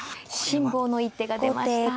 辛抱の一手が出ました。